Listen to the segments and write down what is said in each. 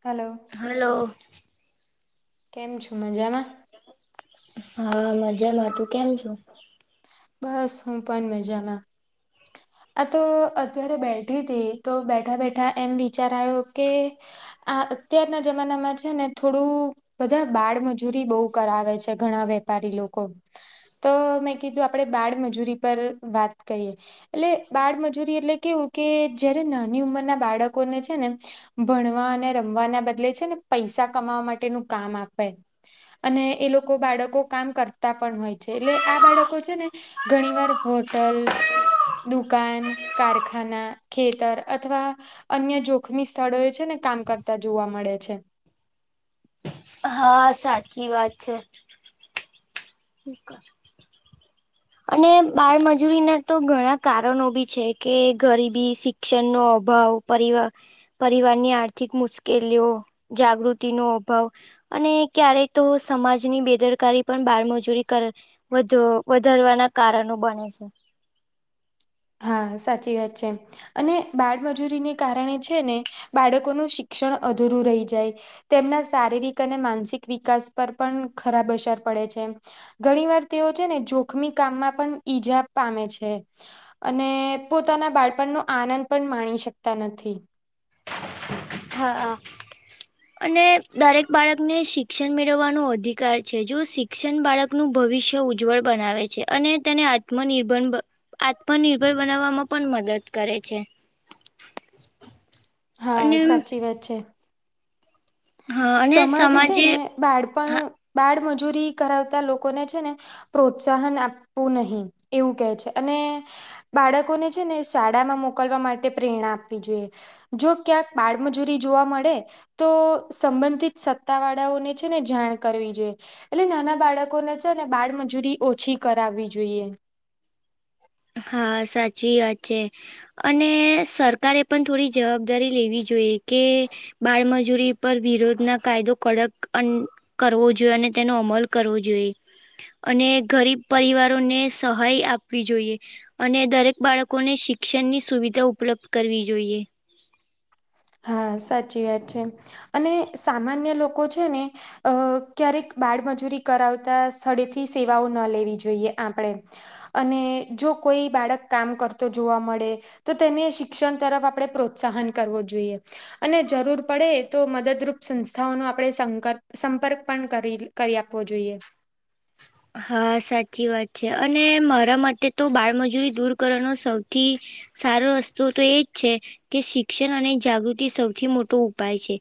Hello. Hello. કેમ છો મજામાં? હા મજામાં, તું કેમ છુ? બસ હુ પન મજા મા. આ તો અત્યારે બેઠી હતી તો બેઠા બેઠા એમ વિચારા આયો કે આ અત્યારના જમાનામાં છે ને થોડું બધા બાળમજૂરી બઉ કરાવે છે ઘણા વેપારી લોકો તો મેં કીધું આપડે બાળમજૂરી પર વાત કરીએ એટલે બાળમજૂરી એટલે કેવું કે જયારે નાની ઉંમરના બાળકોને છે ને ભણવા અને રમવાના બદલે છે ને પૈસા કમાવા માટેનું કામ આપે અને એ લોકો બાળકો કામ કરતા પણ હોય છે એટલે આ બાળકો છે ને ઘણી વાર હોટલ દુકાન, કારખાના, ખેતર અથવા અન્ય જોખમી સ્થળો એ છે ને કામ કરતા જોવા મળે છે. હા, સાચી વાત છે. [inaudible] અને બાળમજૂરી ના તો ઘણા કારનો બી છે કે ગરીબી, સિક્ ક્ષનનો અભાવ પરિવ પરિવારની આર્થિક મુશ્કેલીઓ, જાગૃતિનો અભાવ અને ક્યારે તો સમાજની બેદરકારી પણ બાળમજૂરી કર વધ વધારવાના કારનો બને છે. હા સાચી વાત છે. અને બાળમજૂરીને કારણે છે ને બાળકોનું શિક્ષણ અધૂરું રહી જાય. તેમના શારીરિક અને માનસિક વિકાસ પર પન ખરાબ અસર પડે છે. ઘણી વાર તેઓ છે ને જોખમી કામમાં પન ઈજા પામે છે. અને પોતાના બાળપણનો આનંદ પણ માણી શકતા નથી. હા આ અને દરેક બાળકને શિક્ષન મેળવવાનો અધિકાર છે જો શિક્ષન બાળક કનું ભવિષ્ય ઉજ્જવળ બનાવે છે અને તેને આત્મનિર્ભર બ આત્મનિર્ભર બનાવવામાં પન મદદ કરે છે. હા અને સાચી વાત છે. હા અને સમાજ છે સમાજે ને હા બાળપણ બાળમજૂરી કરાવતા લોકોને છે ને પ્રોત્સાહન આપવું નહીં એવું કે છે અને બાળકોને છે ને શાળામાં મોકલવા માટે પ્રેરણા આપવી જોઈએ. જો ક્યાંક બાળમજૂરી જોવા મળે તો સંબંધિત સત્તા વાળાઓને છે ને જાણ કરવી જોઈએ. એટલે નાના બાળકોને છે ને બાળમજૂરી ઓછી કરાવવી જોઈએ. હા સાચી વાત છે. અને સરકારે પણ થોડી જવાબદારી લેવી જોઈએ કે બાળમજૂરી પર વિરોધના કાયદો કડક કરવો જોઈએ અને તેનો અમલ કરવો જોઈએ. અને ગરીબ પરિવારોને સહાય આપવી જોઈએ. અને દરેક બાળકોને શિક્ષણની સુવિધા ઉપલબ્ધ કરવી જોઈએ. હા સાચી વાત છે અને સામાન્ય લોકો છે ને અ ક્યારેક બાળમજૂરી કરાવતા સ્થળેથી સેવાઓ ન લેવી જોઈએ આપણે અને જો કોઈ બાળક કામ કરતો જોવા મળે તો તેને શિક્ષણ તરફ આપણે પ્રોત્સાહન કરવું જોઈએ. અને જરૂર પડે તો મદદરૂપ સંસ્થાઓનો આપણે સંક સંપર્ક પણ કરી કરી આપવો જોઈએ. હા સાચી વાત છે અને મારા મતે તો બાળમજૂરી દૂર કરવાનો સૌથી સારો રસ્તોુ તો એજ છે કે શિક્ષણ અને જાગૃતિ સૌથી મોટો ઉપાય છે.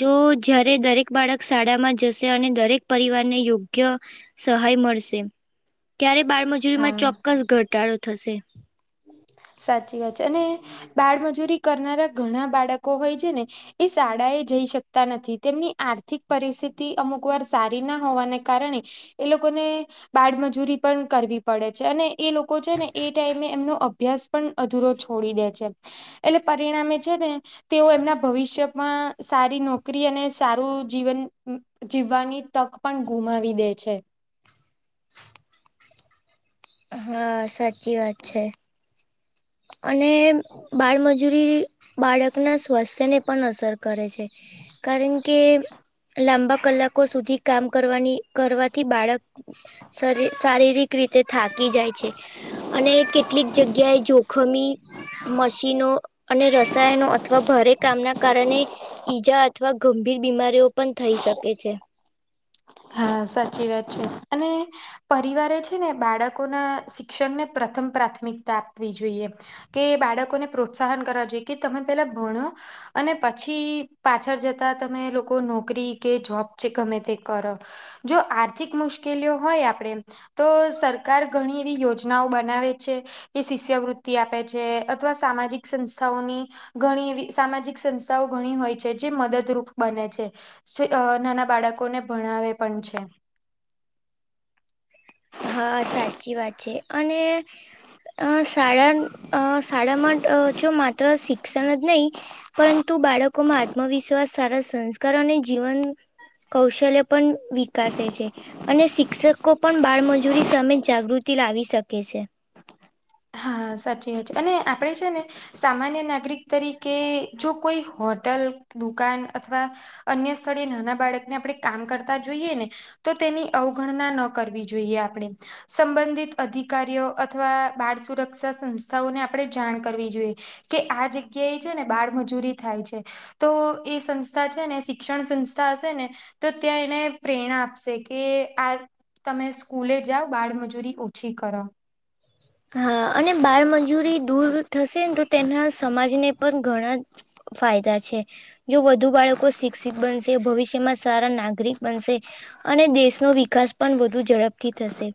જો જારે દરેક બાળક શાળામાં જશે અને દરેક પરિવારને યોગ્ય સહાય મળશે ત્યારે બાળમજૂરી માં હા ચોક્કસ ઘટાડો થશે. સાચી વાત છે અને બાળમજૂરી કરનારા ઘણા બાળકો હોય છે ને એ શાળા એ જઈ શકતા નથી તેમની આર્થિક પરિસ્થિતિ અમુક વાર સારી ના હોવાને કારણે એ લોકોને બાળમજૂરી પણ કરવી પડે છે અને એ લોકો છે ને એ ટાઈમે એમનો અભ્યાસ પણ અધૂરો છોડી દે છે. એટલે પરિણામે છે ને તેઓ એમના ભવિષ્યમાં સારી નોકરી અને સારું જીવન જીવવાની તક પણ ગુમાવી દે છે. હા સાચી વાત છે. અને બાળમજૂરી બાળકના સ્વાસ્થ્ય ને પણ અસર કરે છે. કારણ કે લાંબા કલાકો સુધી કામ કરવાની કરવાથી બાળક શારીરિક રીતે થાકી જાય છે અને કેટલીક જગ્યાએ જો જોખમી મશીનો અને રસાયણો અથવા ભારે કામના કારણે ઈજા અથવા ગંભીર બીમારીઓ પણ થઈ શકે છે. હા સાચી વાત છે અને પરિવારે છે ને બાળકોના શિક્ષણને પ્રથમ પ્રાથમિકતા આપવી જોઈએ કે બાળકોને પ્રોત્સાહન કરવા જોઈએ કે તમે પેલા ભણો અને પછી પાછળ જતા તમે લોકો નોકરી કે જોબ છે ગમે તે- કરો જો આર્થિક મુશ્કેલીઓ હોય આપણેે તો સરકાર ઘણી એવી યોજનાઓ બનાવે છે. એ શિષ્યવૃત્તિ આપે છે અથવા સામાજિક સંસ્થાઓની ઘણી એવી સામાજિક સંસ્થાઓ ઘણી હોય છે જે મદદરૂપ બને છે. નાના બાળકોને ભણાવે પણ છે હા સાચી વાત છે અને અ શાળા શાળામાં છ માત્ર શિક્ષણ જ નહીં પરંતુ બાળકોમાં આત્મવિશ્વાસ સારા સંસ્કાર અને જીવન કૌશલ્ય પણ વિકાસે છે અને શિક્ષકો પણ બાળમજૂરી સામે જાગૃતિ લાવી શકે છે. હા સાચી વાત છે અને આપડે છે ને સામાન્ય નાગરિક તરીકે જો કોઈ હોટલ દુકાન અથવા અન્ય સ્થળે નાના બાળકને આપણે કામ કરતા જોઈએ ને- તો તેની અવગણના ન કરવી જોઈએ આપણે. સંબંધિત અધિકારીઓ અથવા બાળ સુરક્ષા સંસ્થાઓને આપણે જાણ કરવી જોઈએ. કે આ જગ્યા એ છે ને બાળમજૂરી થાય છે. તો એ સંસ્થા છે ને શિક્ષણ સંસ્થા હશે ને તો ત્યાં એને પ્રેરણા આપશે કે આ તમે સ્કૂલે જાવ બાળમજૂરી ઓછી કરો. હા અને બાળમજૂરી દૂર થશે ન તો તેના સમાજને પણ ઘણા જ ફાયદા છે. જો વધુ બાળકો શિક્ષિત બનશે ભવિષ્યમાં સારા નાગરિક બનશે. અને દેશનો વિકાસ પણ વધુ ઝડપથી થશે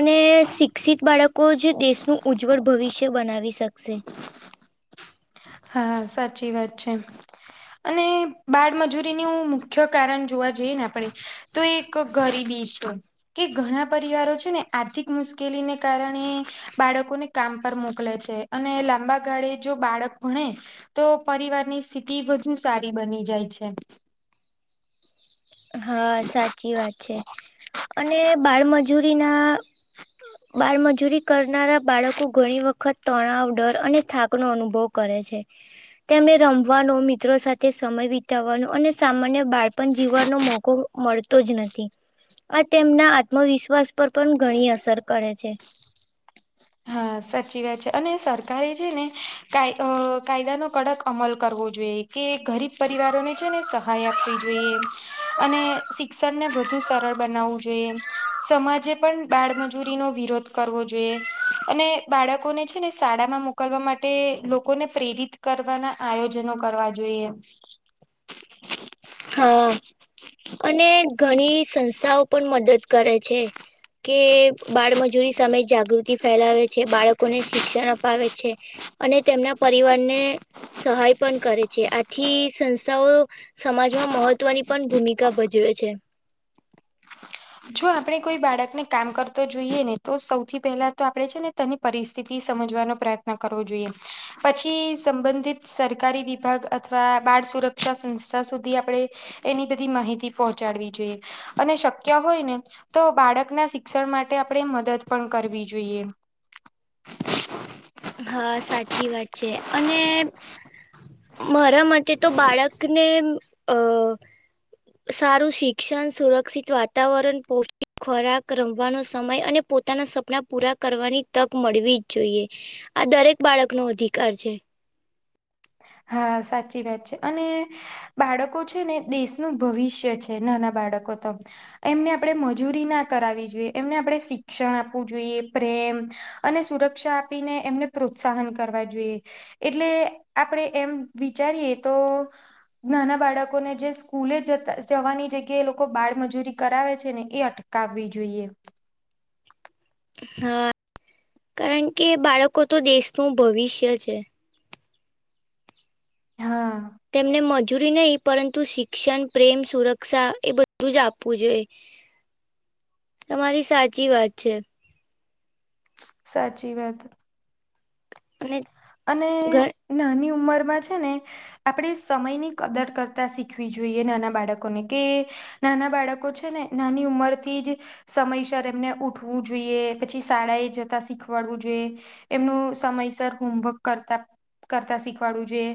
અને શિક્ષિત બાળક કો જ દેશનું ઉજ્જવળ ભવિષ્ય બનાવી શકશે. હા સાચી વાત છે. અને બાળમજૂરીની ઉં મુખ્ય કારન જોવા જઈએ ને આપણેે તો એક ગરીબી છે. કે ઘણા પરિવારો છે ને આર્થિક મુશ્કેલીને કારણે બાળકોને કામ પર મોકલે છે અને લાંબા ગાળે જો બાળક ભણે તો પરિવારની સ્થિતિ વધુ સારી બની જાય છે. હા સાચી વાત છે અને બાળમજૂરીના બાળમજૂરી કરનારા બાળકો ઘણી વખત તણાવ, ડર અને થાકનોો અનુભવ કરે છે. તેમને રમવાનો, મિત્રો સાથે સમય વિતાવવાનો અને સામાન્ય બાળપણ જીવન નો મોકો મળતો જ નથી. આ તેમના આત્મવિશ્વાસ પર પણ ઘણી અસર કરે છે. હા સાચી વાત છે અને સરકારે છે ને કાયદ કાયદાનો કડક અમલ કરવો જોઈએ. કે ગરીબ પરિવારોને છે ને સહાય આપવી જોઈએ. અને શિક્ષણને વધુ સરળ બનાવવું જોઈએ. સમાજે પણ બાળમજૂરીનો વિરોધ કરવો જોઈએ. અને બાળકોને છે ને શાળા માં મોકલવા માટે લોકોને પ્રેરિત કરવાના આયોજનો કરવા જોઈએ. હા અને ઘની સંસ્થાઓ પન મદદ કરે છે. કે બાળમજૂરી સામે જાગૃતિ ફેલાવે છે, બાળકોને શિક્ષણ અપાવે છે. અને તેમના પરિવારને સહાય પન કરે છે આથી સંસ્થાઓ સમાજમાં મહત્ત્વની પન ભૂમિકા ભજવે છે. જો આપણે કોઈ બાળકને કામ કરતો જોઈએ ને તો સૌથી પહેલા તો આપડે છે ને તેની પરિસ્થિતિ સમજવાનો પ્રયત્ન કરવો જોઈએ. પછી સંબંધિત સરકારી વિભાગ અથવા બાળ સુરક્ષા સંસ્થા સુધી આપડે એની બધી માહિતી પહોંચાડવી જોઈએ અને શક્ ક્ય હોય ને તો બાળકના શિક્ષણ માટે આપણે મદદ પણ કરવી જોઈએ. હા સાચી વાત છે અને મારા મતે તો બાળકને અ સારું શિક્ષણ, સુરક્ષિત વાતાવરન, પોષ્ટિક ખોરાક, રમવાનો સમય અને પોતાના સપના પૂરા કરવાની તક મળવી જ જોઈએ આ દરેક બાળકનો અધિકાર છે. હા સાચી વાત છે અને બાળકો છે ને દેશનું ભવિષ્ય છે નાના બાળકો તો એમને આપણે મજૂરી ના કરાવવી જોઈએ એમને આપણે શિક્ષણ આપવું જોઈએ પ્રેમ અને સુરક્ષા આપીને એમને પ્રોત્સાહન કરવા જોઈએ એટલે આપણે એમ વિચારીએ તો નાના બાળકોને જે સ્કૂલે જતા જવાની જગ્યાએ એ લોકો બાળમજૂરી કરાવે છે ને એ અટ કાવવી જોઈએ. હા કારણ કે બાળકો તો દેશનું ભવિષ્ય છે. હા તેમને મજૂરી નહી પરંતુ શિક્ષણ, પ્રેમ, સુરક્ષા એ બધું જ આપવું જોઈએ. તમારી સાચી વાત છે સાચી વાત અને અને ઘ નાની ઉંમરમાં છે ને આપણે સમયની કદર કરતા શીખવી જોઈએ નાના બાળકોને કે નાના બાળકો છે ને નાની ઉંમર થી જ સમયસર એમને ઉઠવું જોઈએ પછી શાળાએ જતા શીખવાડવું જોઈએ એમનું સમયસર હોમવર્ક કરતા કરતા શીખવાડું જોયે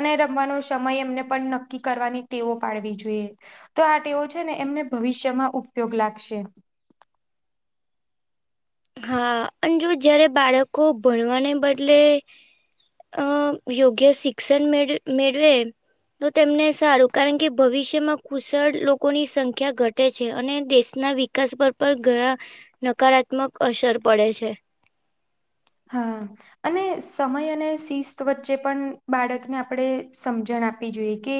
અને રમવાનો સમય એમને પણ નક્કી કરવાની ટેવો પાડવી જોઈએ તો આ ટેવો છે ને એમને ભવિષ્યમાં ઉપયોગ લાગશે હા અજુ જયારે બાળકો ભણવાને બદલે અ યોગ્ય શિક્ષણ મેળ મેળવે તો તેમને સારું કારણ કે ભવિષ્યમાં કુશળ લોકોની સંખ્યા ઘટે છે અને દેશના વિકાસ પર પણ ઘણા નકારાત્મક અસર પડે છે હા અને સમય અને શિસ્ત વચ્ચે પણ બાળકને આપણે સમજણ આપવી જોઈએ કે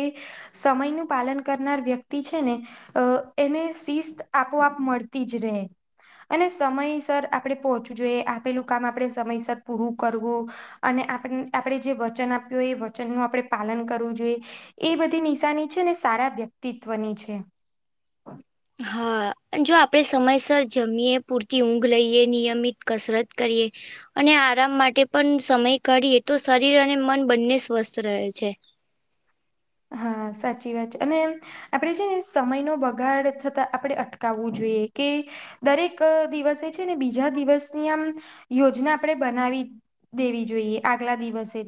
સમય નું પાલન કરનાર વ્યક્તિ છે ને અ એને શિસ્ત આપોઆપ મળતી જ રહે અને સમયસર આપડે પહોંચવું જોઈએ આપેલું કામ આપણેે સમયસર પૂરું કરવું અને આપણેે જે વચન આપ્યું હોય એ વચનનું આપણે પાલન કરવું જોઈએ એ બધી નિશાની છે ને સારા વ્યક્તિત્વની છે હા અને જો આપડણે સમયસર જમીયએ પૂરતી ઊંઘ લઈએ નિયમિત કસરત કરીએ અને આરામ માટે પણ સમય ઘાઢએ તો શરીર અને મન બંને સ્વસ્થ રહે છે હા સાચી વાત છે અને આપણે છે ને સમય નો બગાડ થતા આપણે અટકાવવું જોઈએ કે દરેક દિવસે છે ને બીજા દિવસની આમ યોજના આપણે બનાવી દેવી જોઈએ આગલા દિવસે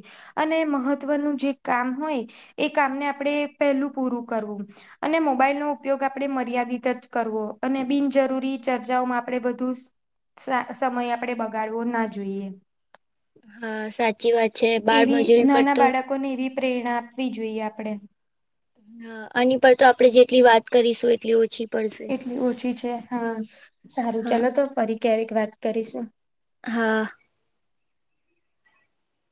અને મહત્વનું જે કામ હોય એ કામને આપણે પહેલું પૂરું કરવું અને મોબાઈલનો ઉપયોગ આપણે મર્યાદિત જ કરવો અને બિનજરૂરી ચર્ચાઓમાં આપણે બધૂ જ સમય આપણેે બગાડવો ના જોઈએ હા સાચી વાત છે બાળમજૂરી પર તો ને એવી પ્રેરણા આપવી જોઈએ આપણે હા આની પર તો આપડે જેટલી વાત કરીશું એટલી ઓછી પડશે ઓછી છે હા સારું હા ચાલો તો ફરી ક્યારેક વાત કરીશું હા